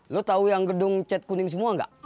lo tau yang gedung cat kuning semua enggak